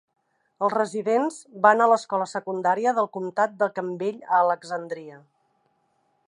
Els residents van a l'escola secundària del comtat de Campbell a Alexandria.